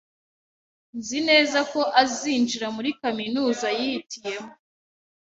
Nzi neza ko azinjira muri kaminuza yihitiyemo.